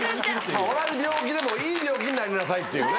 同じ病気でもいい病気になりなさいっていうね。